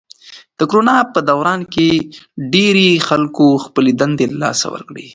د کرونا په دوران کې ډېری خلکو خپلې دندې له لاسه ورکړې.